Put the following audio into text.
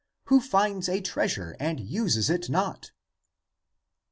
Who finds a treasure and uses it not?"